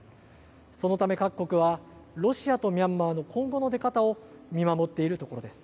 そのため各国はロシアとミャンマーの今後の出方を見守っているところです。